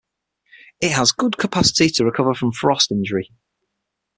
It has good capacity to recover from frost injury.